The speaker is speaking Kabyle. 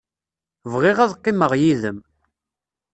Bɣiɣ ad qqimeɣ yid-m.